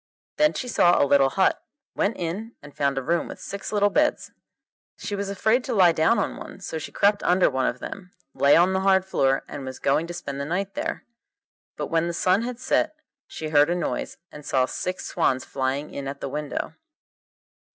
Then she saw a little hut, went in, and found a room with six little beds. She was afraid to lie down on one, so she crept under one of them, lay on the hard floor, and was going to spend the night there. But when the sun had set she heard a noise, and saw six swans flying in at the window.